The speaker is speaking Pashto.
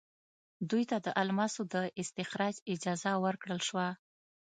دوی ته د الماسو د استخراج اجازه ورکړل شوه.